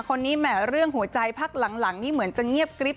แหมเรื่องหัวใจพักหลังนี่เหมือนจะเงียบกริ๊บ